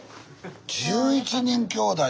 １１人きょうだい。